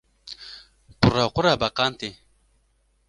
Qurequra beqan tê.